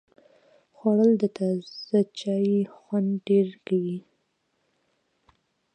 خوړل د تازه چای خوند ډېر کوي